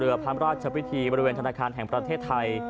พระราชพิธีบริเวณธนาคารแห่งประเทศไทย